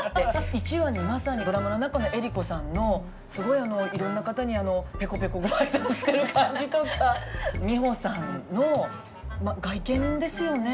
１話にまさにドラマの中の江里子さんのすごいいろんな方にペコペコご挨拶してる感じとか美穂さんの外見ですよね。